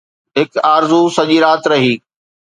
هڪ آرزو سڄي رات رهي